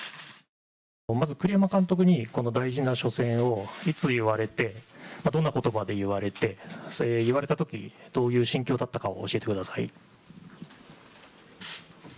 まず栗山監督に大事な初戦をいつ言われてどんな言葉で言われて、言われたときどういう心境だったか教えてください。